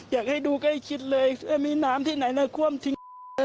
อยากให้ดูก็ให้คิดเลยมีน้ำที่ไหนแล้วคว่ำทิ้ง